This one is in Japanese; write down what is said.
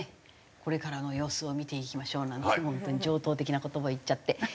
これからの様子を見ていきましょうなんていつもみたいに常套的な言葉言っちゃって。